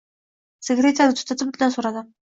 Sigaretani tutatib, undan so`radim